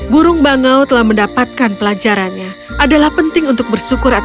burung bangau telah mendapatkan pelajarannya adalah penting untuk bersyukur dan berhati hati